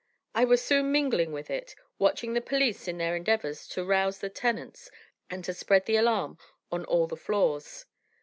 I was soon mingling with it, watching the police in their endeavors to rouse the tenants and to spread the alarm on all the floors.